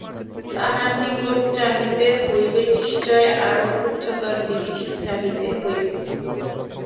তাঁহার নিকট চাহিতে হইলে নিশ্চয়ই আরও উচ্চতর জিনিষ চাহিতে হইবে।